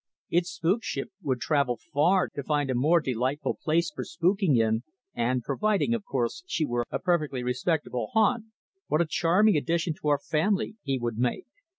Its spookship would travel far to find a more delightful place for spooking in, and providing, of course, she were a perfectly respectable hant what a charming addition to our family he would make.